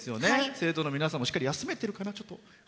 生徒の皆さんもしっかり休めているんですかね。